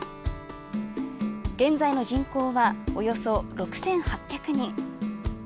現在の人口は、およそ６８００人。